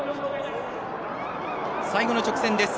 最後の直線です。